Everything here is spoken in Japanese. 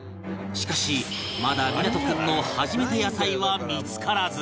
しかしまだ湊君の初めて野菜は見付からず